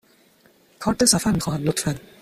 کارت سفر می خواهم، لطفاً.